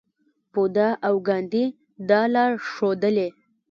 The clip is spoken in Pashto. بودا او ګاندي دا لار ښودلې.